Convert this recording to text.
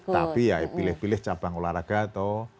tapi ya pilih pilih cabang olahraga atau